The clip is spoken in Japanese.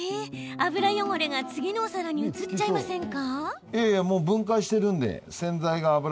油汚れが、次のお皿に移っちゃいませんか？